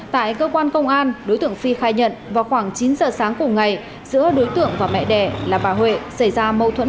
tại cơ quan công an đối tượng phi khai nhận vào khoảng chín giờ sáng cùng ngày giữa đối tượng và mẹ đẻ là bà huệ xảy ra mâu thuẫn